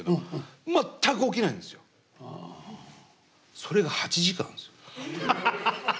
それが８時間ですよ。